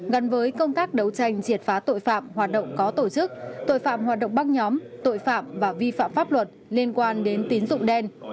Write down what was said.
gần với công tác đấu tranh triệt phá tội phạm hoạt động có tổ chức tội phạm hoạt động băng nhóm tội phạm và vi phạm pháp luật liên quan đến tín dụng đen